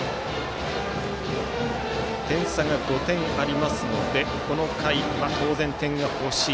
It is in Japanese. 点差が５点ありますのでこの回、当然、点が欲しい。